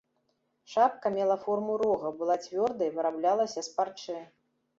Шапка мела форму рога, была цвёрдай, выраблялася з парчы.